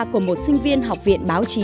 của một sinh viên học viện báo chí